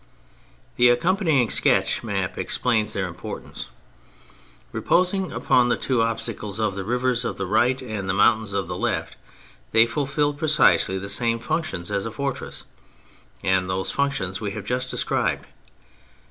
The accompanying sketch map explains their importance. Repos ing upon the two obstacles of the river on the right and the mountains on the left, they ful filled precisely the same functions as a fortress ; and those functions w^e have just described.